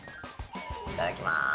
いただきます。